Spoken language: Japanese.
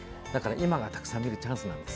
今がたくさん見るチャンスなんです。